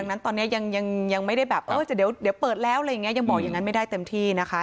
ดังนั้นตอนนี้ยังไม่ได้แบบเออเดี๋ยวเปิดแล้วอะไรอย่างนี้ยังบอกอย่างนั้นไม่ได้เต็มที่นะคะ